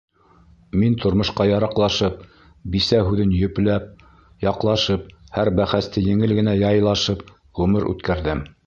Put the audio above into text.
Мин, тормошҡа яраҡлашып, бисә һүҙен йөпләп, яҡлашып, һәр бәхәсте еңел генә яйлашып ғүмер үткәрҙем.